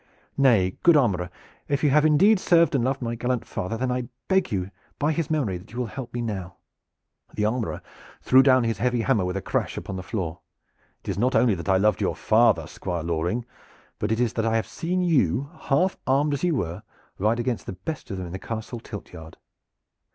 Nay, good armorer, if you have indeed served and loved my gallant father, then I beg you by his memory that you will help me now." The armorer threw down his heavy hammer with a crash upon the floor. "It is not only that I loved your father, Squire Loring, but it is that I have seen you, half armed as you were, ride against the best of them at the Castle tiltyard.